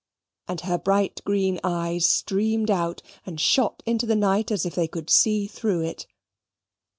and her bright green eyes streamed out, and shot into the night as if they could see through it.